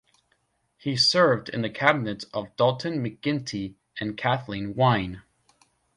He served in the cabinets of Dalton McGuinty and Kathleen Wynne.